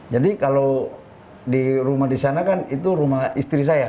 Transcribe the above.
jadi kalau di rumah disana kan itu rumah istri saya